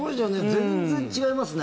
全然違いますね。